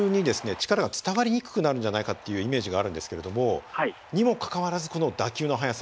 力が伝わりにくくなるんじゃないかというイメージがあるんですけれどもにもかかわらずこの打球の速さ。